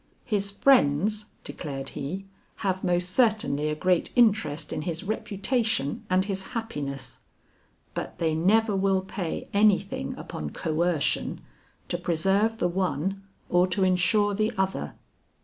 "His friends," declared he, "have most certainly a great interest in his reputation and his happiness; but they never will pay any thing upon coercion to preserve the one or to insure the other."